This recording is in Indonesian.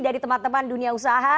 dari teman teman dunia usaha